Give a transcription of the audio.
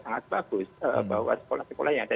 sangat bagus bahwa sekolah sekolah yang ada